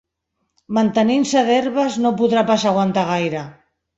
Mantenint-se d'herbes, no podrà pas aguantar gaire.